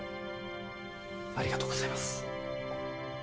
ありがとうございます。